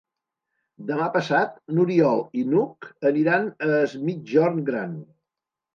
Demà passat n'Oriol i n'Hug aniran a Es Migjorn Gran.